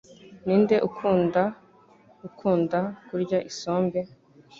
Ninde ukunda ukunda kurya isombe?